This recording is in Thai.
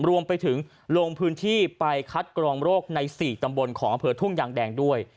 รวมไปถึงลงพื้นที่ไปคัดกรองโรคใน๔ตำบลของอำเภอทุ่งยางแดงด้วย